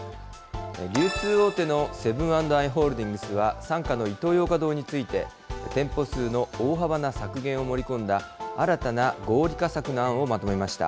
流通大手のセブン＆アイ・ホールディングスは、傘下のイトーヨーカ堂について、店舗数の大幅な削減を盛り込んだ新たな合理化策の案をまとめました。